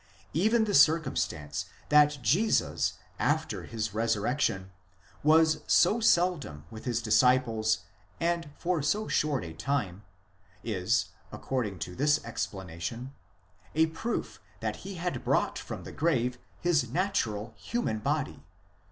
Even the circumstance that Jesus after his resurrection was so seldom with his disciples and for so short a time, is, according to this ex planation, a proof that he had brought from the grave his natural, human body